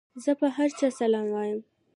زه پر هر چا سلام وايم.